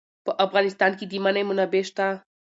په افغانستان کې د منی منابع شته.